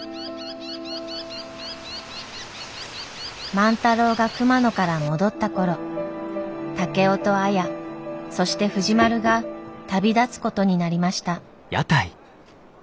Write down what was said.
万太郎が熊野から戻った頃竹雄と綾そして藤丸が旅立つことになりました。